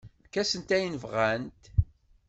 Efk-asent ayen bɣant.